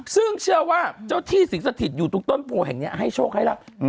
ซึ่งเชื่อว่าเจ้าที่สิงสถิตอยู่ตรงต้นโพแห่งนี้ให้โชคให้รับ